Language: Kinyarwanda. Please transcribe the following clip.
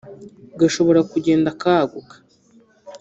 gashobora kugenda kaguka